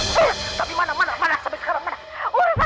jadi selama ini begini pekerjaan semenah